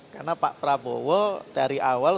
karena pak prabowo dari awal